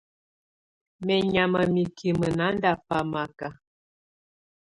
Menyama mikime nándafamak.